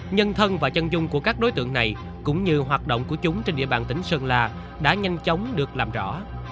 nhân thân và chân dung của các đối tượng này cũng như hoạt động của chúng trên địa bàn tỉnh sơn la đã nhanh chóng được làm rõ